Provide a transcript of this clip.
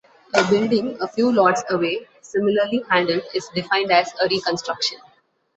A building a few lots away, similarly handled, is defined as a reconstruction.